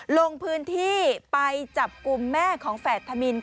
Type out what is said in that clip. ลงพื้นที่ไปจับกลุ่มแม่ของแฝดธมิน